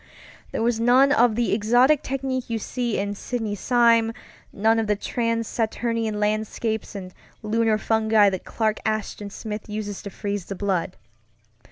There was none of the exotic technique you see in Sidney Sime, none of the trans Saturnian landscapes and lunar fungi that Clark Ashton Smith uses to freeze the blood.